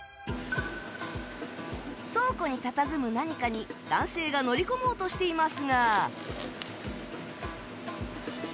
倉庫にたたずむ何かに男性が乗り込もうとしていますが